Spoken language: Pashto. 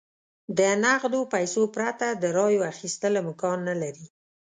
د نغدو پیسو پرته د رایو اخیستل امکان نه لري.